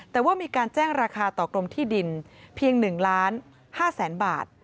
แต่ว่ามีการแจ้งราคาต่อกรมที่ดินเพียง๑ล้าน๕แสนบาท